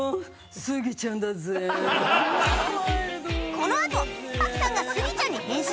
このあと朴さんがスギちゃんに変身？